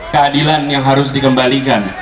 keadilan yang harus dikembalikan